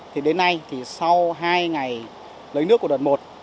thì đến nay thì sau hai ngày lấy nước của đợt một